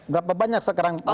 berapa banyak sekarang